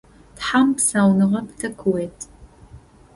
Тхьэм псауныгъэ пытэ къыует.